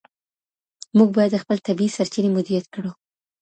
موږ باید خپلې طبیعي سرچینې مدیریت کړو.